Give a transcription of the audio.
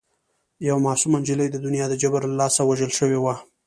یوه معصومه نجلۍ د دنیا د جبر له لاسه وژل شوې وه